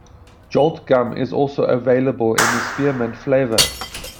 Jolt gum is also available in a spearmint flavour.